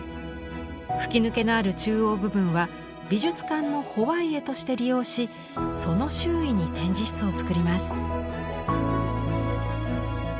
吹き抜けのある中央部分は美術館のホワイエとして利用しその周囲に展示室を造ります。